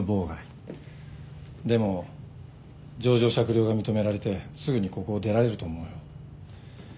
でも情状酌量が認められてすぐにここを出られると思うよ。